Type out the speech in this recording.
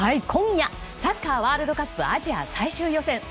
今夜、サッカーワールドカップアジア最終予選。